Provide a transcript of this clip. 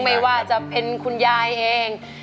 ไม่ว่าจะเป็นคุณยายเอง